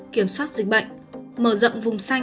kiểm soát dịch bệnh mở rộng vùng xanh